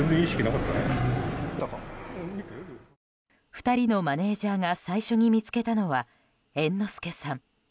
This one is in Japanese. ２人のマネジャーが最初に見つけたのは猿之助さん。